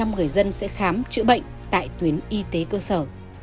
tám mươi người dân sẽ khám chữa bệnh tại tuyến y tế cơ sở